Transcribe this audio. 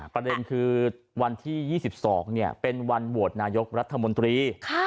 ประเด็นคือวันที่๒๒เป็นวันโหวตนายกรัฐมนตรี